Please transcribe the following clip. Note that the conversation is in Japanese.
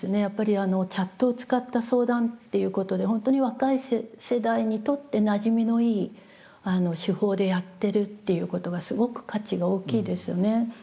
やっぱりチャットを使った相談っていうことで本当に若い世代にとってなじみのいい手法でやってるっていうことがすごく価値が大きいですよね。